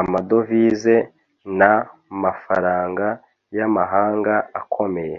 amadovize na mafaranga y'amahanga akomeye